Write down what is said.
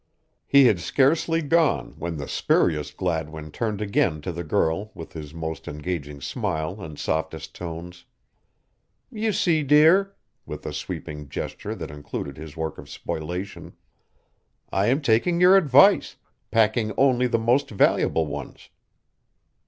He had scarcely gone when the spurious Gladwin turned again to the girl with his most engaging smile and softest tones: "You see, dear," with a sweeping gesture that included his work of spoilation, "I am taking your advice packing only the most valuable ones."